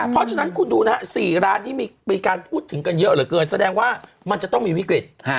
เพราะฉะนั้นคุณดูนะฮะ๔ร้านที่มีการพูดถึงกันเยอะเหลือเกินแสดงว่ามันจะต้องมีวิกฤต